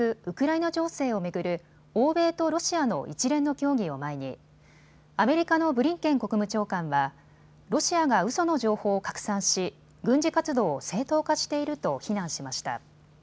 ウクライナ情勢を巡る欧米とロシアの一連の協議を前にアメリカのブリンケン国務長官はロシアがうその情報を拡散し、軍事活動を正当化していると非難しました。